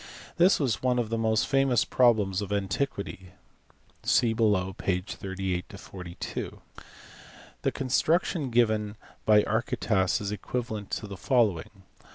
This was one of the most famous problems of antiquity (see below, pp. 38, 42). The construction given by Archytas is equivalent to the following.